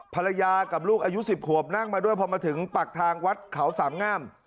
ภรรยากับลูกอายุ๑๐ขวบนั่งมาด้วยพอมาถึงปากทางวัดเขาสามงาม